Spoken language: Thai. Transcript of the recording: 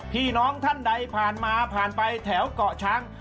พี่น้องท่านใดผ่านมาผ่านไปแถวเกาะช้าง